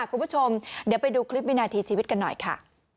คุณผู้ชมเดี๋ยวไปดูคลิปวินาทีชีวิตกันหน่อยค่ะ